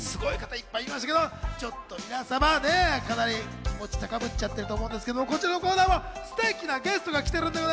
すごい方いっぱいいましたけど、ちょっと皆様、気持ち高ぶっちゃってると思うんですけど、こちらのコーナーもステキなゲストが来てるんです。